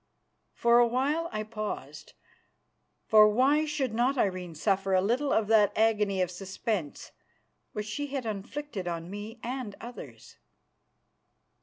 For a while I paused, for why should not Irene suffer a little of that agony of suspense which she had inflicted upon me and others?